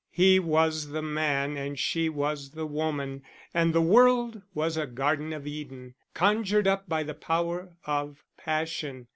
He was the man and she was the woman, and the world was a Garden of Eden, conjured up by the power of passion.